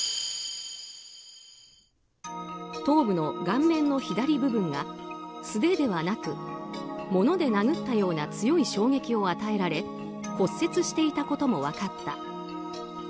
頭部の顔面の左部分が素手ではなく、物で殴ったような強い衝撃を与えられ骨折していたことも分かった。